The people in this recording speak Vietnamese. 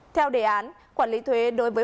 theo đề án quản lý thuế đối với